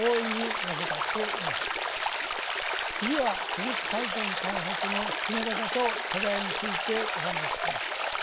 次は地熱発電開発の進め方と課題についてお話しします。